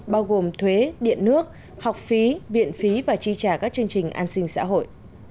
bao gồm thuế điện nước học phí viện phí và chi trả các chương trình an sinh xã hội